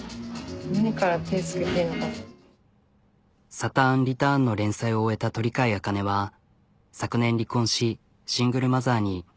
「サターンリターン」の連載を終えた鳥飼茜は昨年離婚しシングルマザーに。